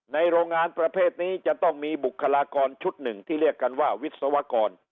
โรงงานประเภทนี้จะต้องมีบุคลากรชุดหนึ่งที่เรียกกันว่าวิศวกร